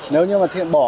nếu như mà bỏ